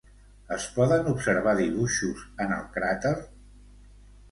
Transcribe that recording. Es poden observar dibuixos en el crater?